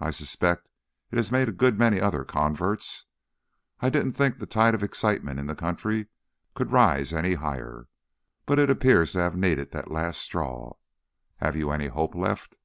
I suspect it has made a good many other converts. I didn't think the tide of excitement in the country could rise any higher, but it appears to have needed that last straw. Have you any hope left?"